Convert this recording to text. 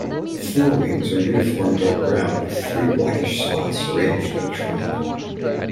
The forewings are uniform dark brown with three blackish spots arranged in a triangle.